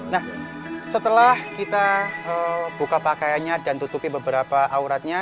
nah setelah kita buka pakaiannya dan tutupi beberapa auratnya